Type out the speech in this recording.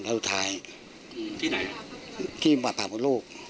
มะเร็งแล้วท้ายอืมที่ไหนที่หวัดภาพกับลูกอ๋อ